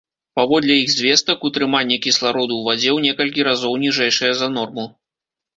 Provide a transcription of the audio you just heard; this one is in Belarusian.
Паводле іх звестак, утрыманне кіслароду ў вадзе ў некалькі разоў ніжэйшае за норму.